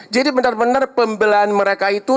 jadi benar benar pembelahan mereka itu